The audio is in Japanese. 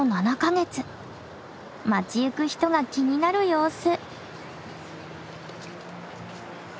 街行く人が気になる様子。